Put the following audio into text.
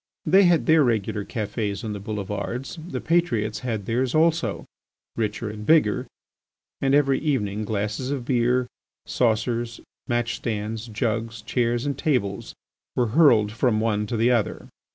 They had their regular cafés on the boulevards. The patriots had theirs also, richer and bigger, and every evening glasses of beer, saucers, match stands, jugs, chairs, and tables were hurled from one to the other.